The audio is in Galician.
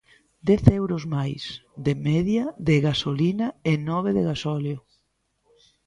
Dez euros máis, de media, de gasolina e nove de gasóleo.